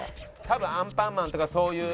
多分『アンパンマン』とかそういう。